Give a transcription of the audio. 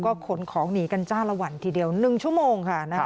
ก็ขนของหนีกันจ้าละวันทีเดียว๑ชั่วโมงค่ะ